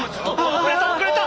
遅れた遅れた！